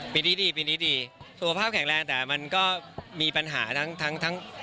ปีนี้ดีปีนี้ดีสุขภาพแข็งแรงแต่มันก็มีปัญหาทั้งทั้ง